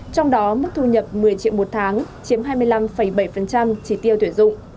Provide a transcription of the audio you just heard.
trong đó mức thu nhập một mươi triệu một tháng chiếm hai mươi năm bảy chỉ tiêu tuyển dụng